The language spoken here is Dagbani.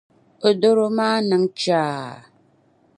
O dɔro maa niŋ chaa.